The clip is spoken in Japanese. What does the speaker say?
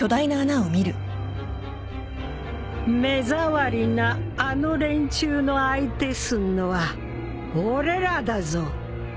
目障りなあの連中の相手すんのは俺らだぞ